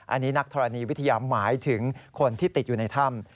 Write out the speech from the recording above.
อันนี้นักธรณีวิทยาหมายถึงคนที่ติดอยู่ในถ้ำ